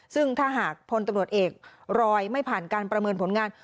ซึ่งถ้าหากพลตำรวจเอกรอยไม่ผ่านการประเมินผลงาน